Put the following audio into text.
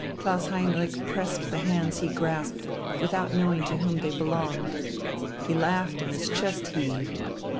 Klaus Heinrich pressed the hands he grasped without knowing to whom they belonged. He laughed and his chest heaved.